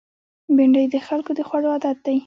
بېنډۍ د خلکو د خوړو عادت دی